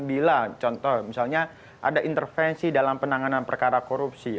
bila contoh misalnya ada intervensi dalam penanganan perkara korupsi